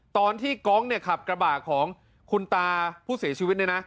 ตอนที่กองเนี่ยขับกระบะของคุณตาผู้เสียชีวิตเนี่ยนะ